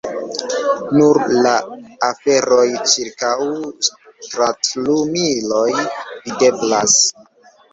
Nur la aferoj ĉirkaŭ stratlumiloj videblas.